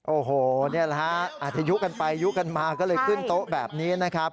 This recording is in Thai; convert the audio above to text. โอ้โหนี่แหละฮะอาจจะยุกันไปยุกันมาก็เลยขึ้นโต๊ะแบบนี้นะครับ